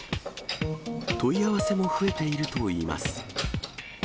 問い合わせも増えているといいます。